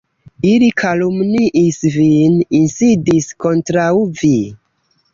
Ili kalumniis vin, insidis kontraŭ vi.